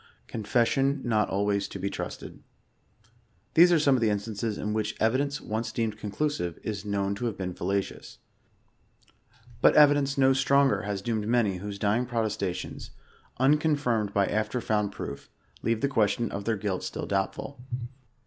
Confession not always to be trusted. These ate some of the instances in which evidence once deemed conclusive *is known to have been fallacious. But evidence no stronger has doomed many whose dying protesta tions, unconfirmed by after found proof, leave the question of their guih still doubtful.